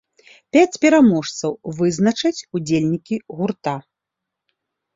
Пяць пераможцаў вызначаць удзельнікі гурта.